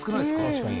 確かに。